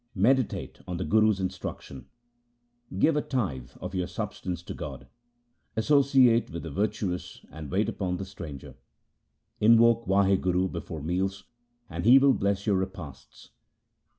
Meditate on the Guru's instruction. Give a tithe of your substance to God. Associate with the virtuous and wait upon the stranger. In voke Wahguru before meals, and He will bless your repasts.'